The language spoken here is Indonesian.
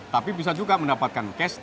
tapi bisa juga mendapatkan cash